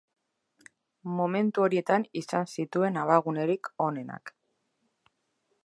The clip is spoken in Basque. Momentu horietan izan zituen abagunerik onenak.